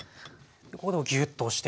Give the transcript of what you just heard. ここでもギューッと押して。